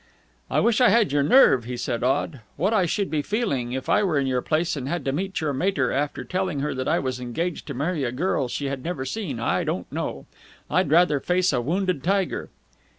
"I wish I had your nerve!" he said awed. "What I should be feeling, if I were in your place and had to meet your mater after telling her that I was engaged to marry a girl she had never seen, I don't know. I'd rather face a wounded tiger!"